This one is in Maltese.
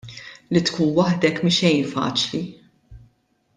Li tkun waħdek mhi xejn faċli.